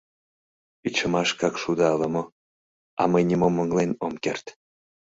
Ӱчашымашкак шуда ала-мо... а мый нимом ыҥлен ом керт.